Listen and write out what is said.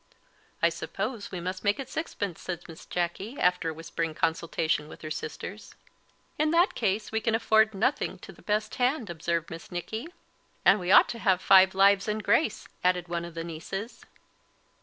"I suppose we must make it sixpence," said Miss Jacky, after a whispering consultation with her sister. "In that case we can afford nothing to the best hand," observed Miss Nicky. "And we ought to have five lives and grace," added one of the nieces.